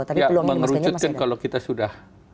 ya mengerucutkan kalau kita sudah